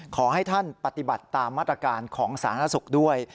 ขอให้ท่านปฏิบัติตามมาตรการของศาลนักศึกษ์ด้วย